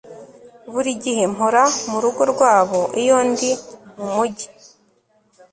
Buri gihe mpora murugo rwabo iyo ndi mumujyi